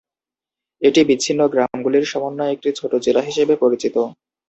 এটি বিচ্ছিন্ন গ্রামগুলির সমন্বয়ে একটি ছোট জেলা হিসেবে পরিচিত।